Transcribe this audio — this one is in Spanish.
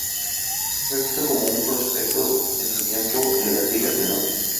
Fue visto como un prospecto en su tiempo en las ligas menores.